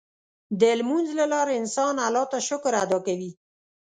د لمونځ له لارې انسان الله ته شکر ادا کوي.